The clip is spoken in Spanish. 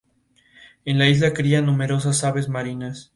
Aparentemente, fue capaz de sofocar todas estas rebeliones.